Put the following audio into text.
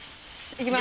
いきます。